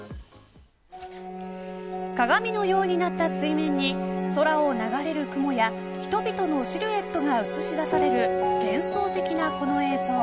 鏡のようになった水面に空を流れる雲や、人々のシルエットが映し出される幻想的なこの映像。